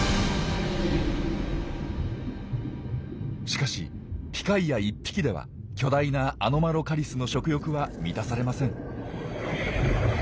しかしピカイア１匹では巨大なアノマロカリスの食欲は満たされません。